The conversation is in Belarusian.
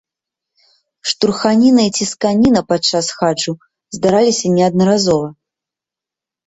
Штурханіна і цісканіна падчас хаджу здараліся неаднаразова.